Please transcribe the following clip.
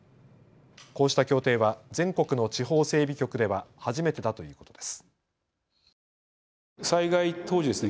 こうした協定は全国の地方整備局では初めてだということです。